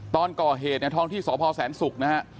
ตอนก่อเหตุที่สศสันสุกนะฮะ